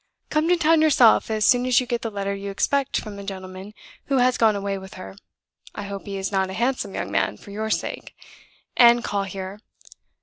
Come to town yourself as soon as you get the letter you expect from the gentleman who has gone away with her (I hope he is not a handsome young man, for your sake) and call here.